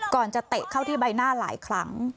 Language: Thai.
จะเตะเข้าที่ใบหน้าหลายครั้ง